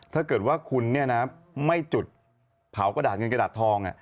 ถ้าเกิดว่าคุณไม่จุดเผากระดาษเงินกระดาษทอง